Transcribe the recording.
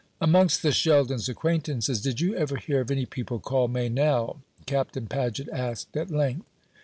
"Amongst the Sheldons' acquaintances did you ever hear of any people called Meynell?" Captain Paget asked at length.